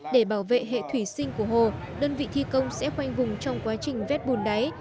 để bảo vệ hệ thủy sinh của hồ đơn vị thi công sẽ khoanh vùng trong quá trình vết bùn đáy